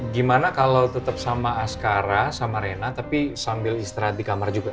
gimana kalo tetep sama askarah sama rena tapi sambil istirahat di kamar juga